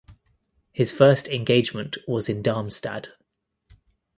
His first engagement was in Darmstadt.